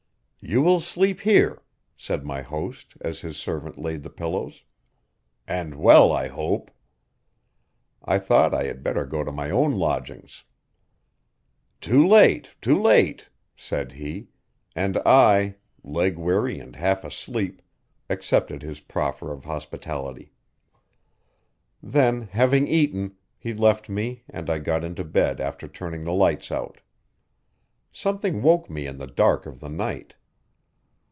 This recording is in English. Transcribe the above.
'You will sleep there,' said my host as his servant laid the pillows, 'and well I hope. I thought I had better go to my own lodgings. 'Too late too late,' said he, and I, leg weary and half asleep, accepted his proffer of hospitality. Then, having eaten, he left me and I got into bed after turning the lights out Something woke me in the dark of the night.